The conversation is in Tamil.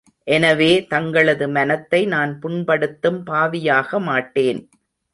எனவே தங்களது மனத்தை நான் புண்படுத்தும் பாவியாக மாட்டேன்.